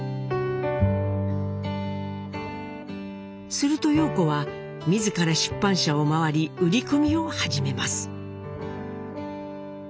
すると陽子は自ら出版社を回り売り込みを始めます。